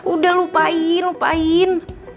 udah lupain lupain